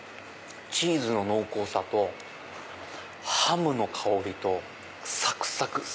チーズの濃厚さとハムの香りとサクサク。